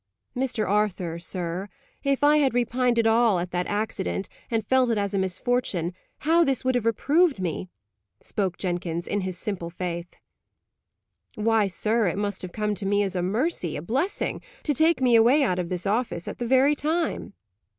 "Mr. Arthur, sir, if I had repined at all at that accident, and felt it as a misfortune, how this would have reproved me!" spoke Jenkins, in his simple faith. "Why, sir, it must have come to me as a mercy, a blessing; to take me away out of this office at the very time."